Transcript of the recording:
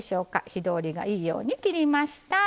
火通りがいいように切りました。